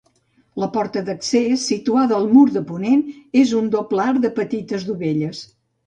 La porta d'accés, situada al mur de ponent, és un doble arc de petites dovelles.